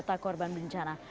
data korban bencana